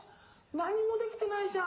何もできてないじゃん！